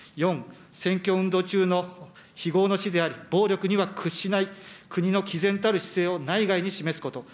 ４、選挙運動中の非業の死であり、暴力には屈しない国のきぜんたる姿勢を内外に示すこと。